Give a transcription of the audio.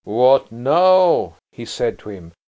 "What now?" he said to him.